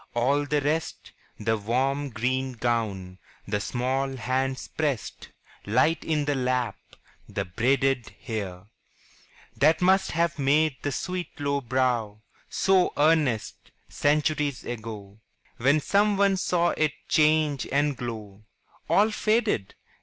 All the rest The warm green gown, the small hands pressed Light in the lap, the braided hair That must have made the sweet low brow So earnest, centuries ago, When some one saw it change and glow All faded!